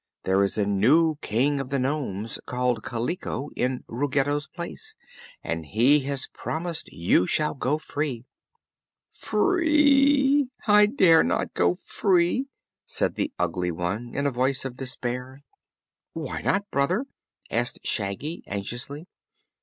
"There is a new King of the nomes, named Kaliko, in Ruggedo's place, and he has promised you shall go free." "Free! I dare not go free!" said the Ugly One, in a voice of despair. "Why not, Brother?" asked Shaggy, anxiously.